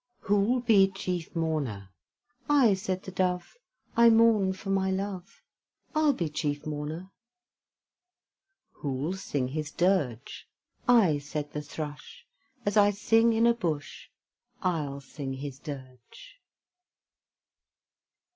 Who'll be chief mourner? "I," said the Dove, "I mourn for my love; I'll be chief mourner." Who'll sing his dirge? "I," said the Thrush, "As I sing in a bush, I'll sing his dirge."